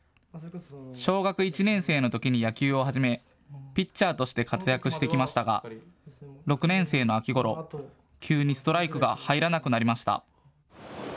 小学１年生のときに野球を始めピッチャーとして活躍してきましたが６年生の秋ごろ、急にストライクが入らなくなりました。